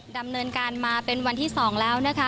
ดำเนินการมาเป็นวันที่๒แล้วนะคะ